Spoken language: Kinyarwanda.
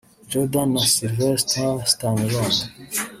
Jordan na Sylvester Stallone